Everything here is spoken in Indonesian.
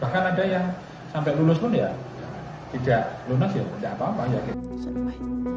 bahkan ada yang sampai lunas pun ya tidak lunas ya tidak apa apa